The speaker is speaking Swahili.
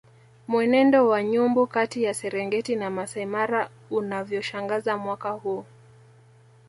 Mwenendo wa nyumbu kati ya Serengeti na Maasai Mara unavyoshangaza mwaka huu